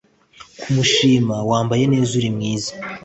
kumushima (wambaye neza, uri mwiza…)